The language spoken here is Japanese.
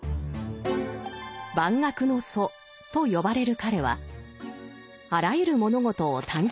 「万学の祖」と呼ばれる彼はあらゆる物事を探求しました。